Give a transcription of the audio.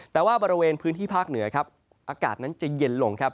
แต่ว่าบริเวณพื้นที่ภาคเหนือครับอากาศนั้นจะเย็นลงครับ